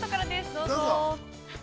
どうぞ。